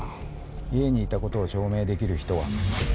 家にいたことを証明できる人は？